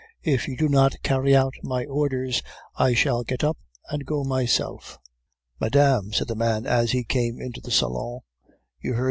If you do not carry out my orders, I shall get up and go myself.' "'Madame,' said the man as he came into the salon, 'you heard M.